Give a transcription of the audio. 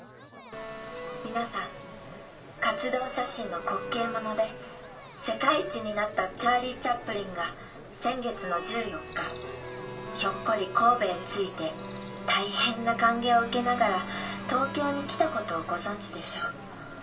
皆さん活動写真の滑稽者で世界一になったチャーリー・チャップリンが先月の１４日ひょっこり神戸へ着いて大変な歓迎を受けながら東京に来た事をご存じでしょう。